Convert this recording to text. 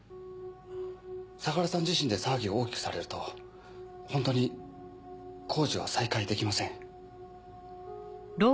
相良さん自身で騒ぎを大きくされるとホントに工事は再開できません。